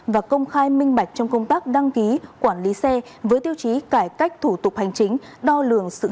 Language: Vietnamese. và công khai minh bạch trong công tác đăng ký quản lý xe với tiêu chí cải cách thủ tục hành chính đo lường sự hài lòng của người dân